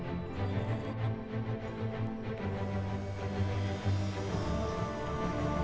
aku rejeng batur sesudur selapur